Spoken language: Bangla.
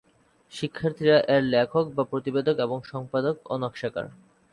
শিক্ষার্থীরা এর লেখক বা প্রতিবেদক এবং সম্পাদক ও নকশাকার।